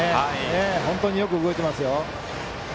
本当によく動いています。